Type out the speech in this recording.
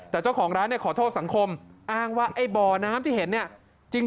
แต่เจ้าของร้านเนี่ยขอโทษสังคมอ้างว่าไอ้บ่อน้ำที่เห็นเนี่ย